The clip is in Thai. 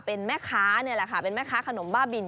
เป็นแม่ค้าเป็นแม่ค้าขนมบ้าบิน